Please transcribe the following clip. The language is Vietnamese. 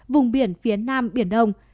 vùng biển phía nam biển đông